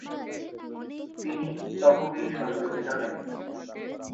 তিনি তহবিল সংগ্রহে নামেন।